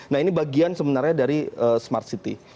nah ini bagian sebenarnya dari smart city